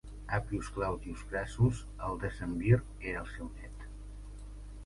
Appius Claudius Crassus, el decemvir, era el seu net.